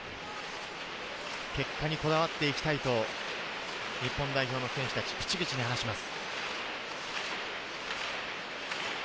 結果にこだわっていきたいと日本代表の選手たちは口々に話します。